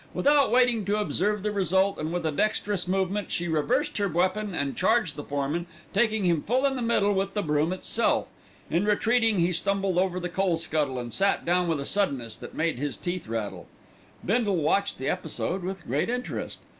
Without waiting to observe the result, and with a dexterous movement, she reversed her weapon and charged the foreman, taking him full in the middle with the broom itself. In retreating he stumbled over the coal scuttle, and sat down with a suddenness that made his teeth rattle. Bindle watched the episode with great interest.